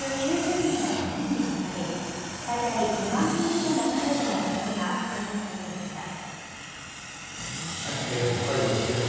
９０年の記念日に当たり最大２万人規模のパレードの準備が確認されていました。